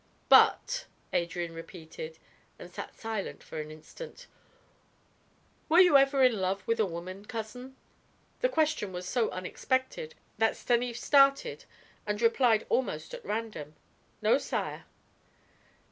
"'But' " Adrian repeated, and sat silent for an instant. "Were you ever in love with a woman, cousin?" The question was so unexpected that Stanief started and replied almost at random: "No, sire."